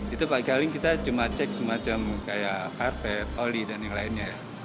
itu paling kita cuma cek semacam kayak karpet oli dan yang lainnya ya